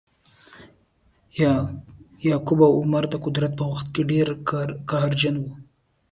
یعقوب او عمرو د قدرت په وخت کې ډیر قهرجن وه.